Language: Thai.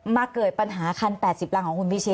เกิดปัญหาคัน๘๐รังของคุณพิชิต